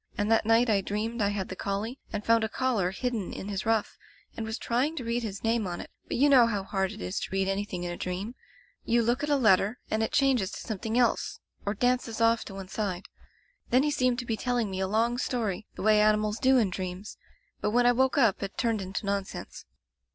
And that night I dreamed I had the collie and found a collar hidden in his ruff, and was trying to read his name on it — but you know how hard it is to read any thing in a dream; you look at a letter and it changes to something else, or dances off to Digitized by LjOOQ IC The Gray Collie one side. Then he seemed to be telling me a long story, the way animals do in dreams, but when I woke up it turned into nonsense.